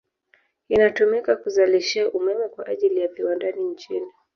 Inatumika kuzalishia umeme kwa ajili ya viwandani nchini